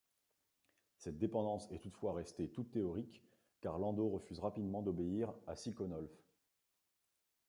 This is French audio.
Cette dépendance est toutefois restée toute théorique car Lando refuse rapidement d'obéir à Siconolf.